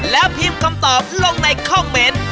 แล้วพิมพ์คำตอบลงในคอมเมนต์